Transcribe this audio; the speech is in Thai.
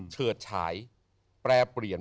เฉิดฉายแปรเปลี่ยน